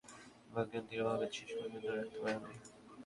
মনে হয়, তোমরা নিজেদের জায়গাটি দৃঢ়ভাবে শেষ পর্যন্ত ধরে রাখতে পারোনি।